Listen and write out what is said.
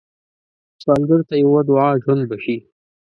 سوالګر ته یوه دعا ژوند بښي